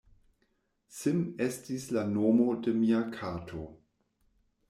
Sim estis la nomo de mia kato.